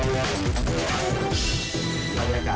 สวัสดีครับทุกคน